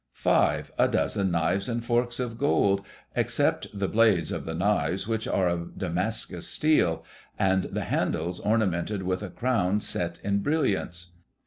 5. — A dozen knives and forks of gold, except the blades of the knives, which are of Damascus steel, and the handles ornamented with a crown set in brilliants.